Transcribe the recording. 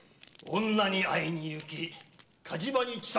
女に会いに行き火事場に遅参。